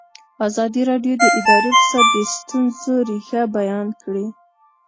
ازادي راډیو د اداري فساد د ستونزو رېښه بیان کړې.